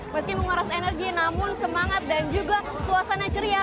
meski menguras energi namun semangat dan juga suasana ceria